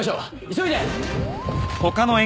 急いで！